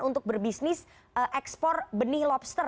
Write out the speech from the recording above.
untuk berbisnis ekspor benih lobster